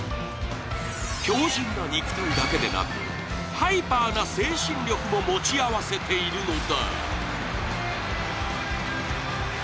強靱な肉体だけでなくハイパーな精神力も持ち合わせているのだ。